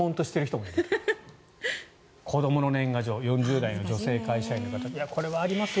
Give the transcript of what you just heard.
子どもの年賀状４０代の女性会社員の方これはありますよ。